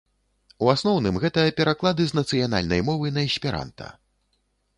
У асноўным гэта пераклады з нацыянальнай мовы на эсперанта.